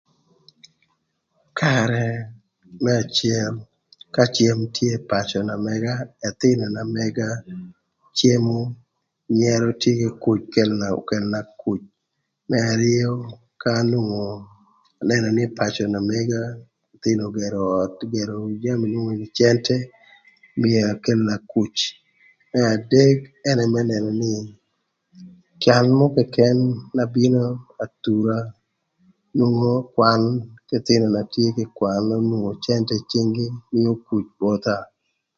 Karë më acël ka cem tye pacö na mëga ëthïnö na mëga cemo nyërö tye kï kuc okelina kuc. Më arïö ka anwongo anënö nï pacö na mëga ëthïnö ögërö öt jami nwongo nïgï cëntë mïa kelo nïna kuc. Më adek ënë më nënö nï can mörö këkën na bino athura nwongo kwan k'ëthïnöna tye ka kwanö na nwongo cëntë tye ï cïng-gï mïö kuc botha.